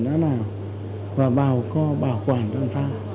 cái nào và bảo co bảo quản tương pháp